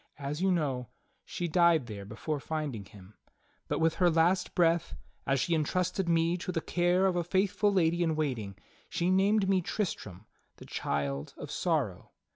As 3^ou know, she died there before find ing him; but with her last breath, as she entrusted me to the care of a faithful lady in waiting, she named me Tristram — the child of sorrow.